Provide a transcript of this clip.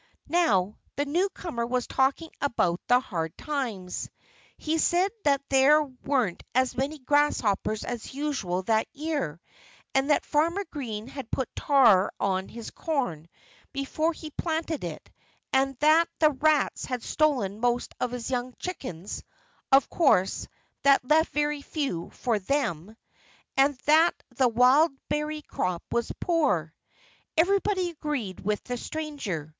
Now, the newcomer was talking about the hard times. He said that there weren't as many grasshoppers as usual that year, and that Farmer Green had put tar on his corn before he planted it and that the rats had stolen most of his young chickens (of course that left very few for them), and that the wild berry crop was poor. Everybody agreed with the stranger.